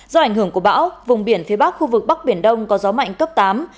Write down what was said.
do ảnh hưởng của bão vùng biển phía bắc khu vực bắc biển đông có gió mạnh cấp tám